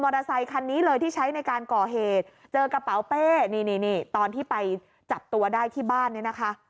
อเตอร์ไซคันนี้เลยที่ใช้ในการก่อเหตุเจอกระเป๋าเป้นี่นี่ตอนที่ไปจับตัวได้ที่บ้านเนี่ยนะคะ